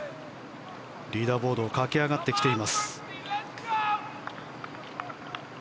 リーダーボードを駆け上がってきています。